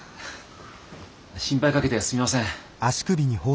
心配かけてすみません。